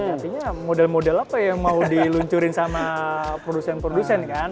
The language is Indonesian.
artinya model model apa yang mau diluncurin sama produsen produsen kan